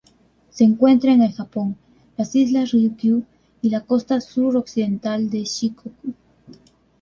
Se encuentra en el Japón: las Islas Ryukyu y la costa suroccidental de Shikoku.